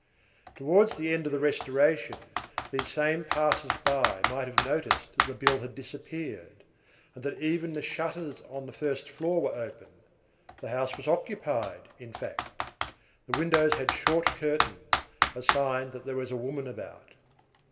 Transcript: Towards the end of the Restoration, these same passers by might have noticed that the bill had disappeared, and even that the shutters on the first floor were open. The house was occupied, in fact. The windows had short curtains, a sign that there was a woman about.